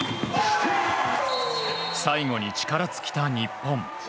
最後に力尽きた日本。